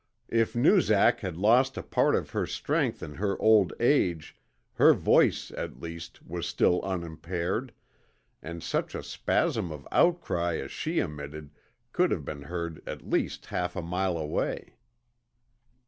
If Noozak had lost a part of her strength in her old age her voice, at least, was still unimpaired, and such a spasm of outcry as she emitted could have been heard at least half a mile away.